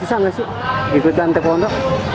susah gak sih ikutan taekwondo